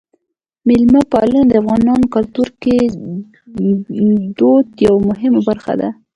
میلمه پالنه د افغاني کلتور او دود یوه مهمه برخه ده.